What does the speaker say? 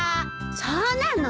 そうなの？